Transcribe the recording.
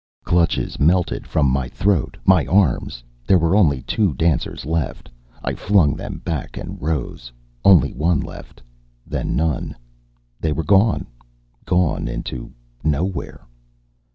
Clutches melted from my throat, my arms. There were only two dancers left. I flung them back and rose. Only one left. Then none. They were gone, gone into nowhere.